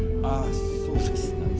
ああそうですが。